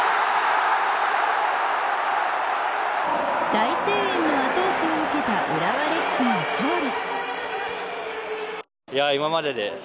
大声援の後押しを受けた浦和レッズが勝利。